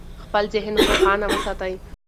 خپل ذهن روښانه وساتئ.